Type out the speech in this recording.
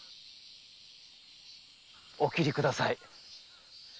お斬りください。